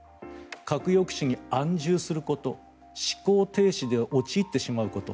核抑止に安住すること思考停止に陥ってしまうこと